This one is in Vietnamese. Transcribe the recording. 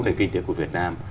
đến cái kinh tế của việt nam